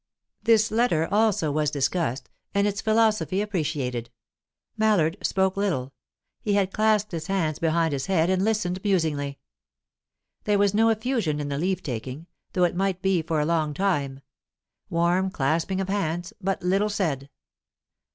This letter also was discussed, and its philosophy appreciated. Mallard spoke little; he had clasped his hands behind his head, and listened musingly. There was no effusion in the leave taking, though it might be for a long time. Warm clasping of hands, but little said.